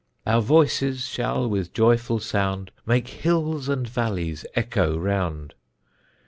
Our voices shall with joyful sound Make hills and valleys echo round.